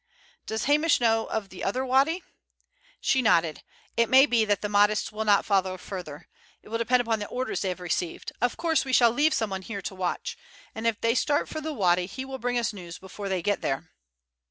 "Does Hamish know of the other wady?" She nodded. "It may be that the Mahdists will not follow further. It will depend upon the orders they have received. Of course we shall leave someone here to watch, and if they start for the wady he will bring us news before they get there."